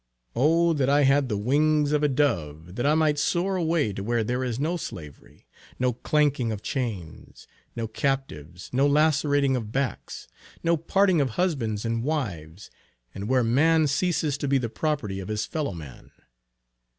Oh, that I had the wings of a dove, that I might soar away to where there is no slavery; no clanking of chains, no captives, no lacerating of backs, no parting of husbands and wives; and where man ceases to be the property of his fellow man.